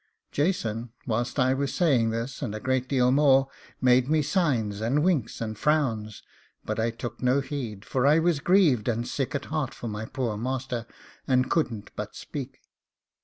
Jason, whilst I was saying this, and a great deal more, made me signs, and winks, and frowns; but I took no heed, for I was grieved and sick at heart for my poor master, and couldn't but speak.